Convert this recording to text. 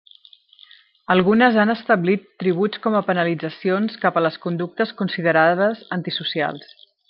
Algunes han establit tributs com a penalitzacions cap a les conductes considerades antisocials.